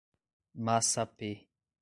Massapê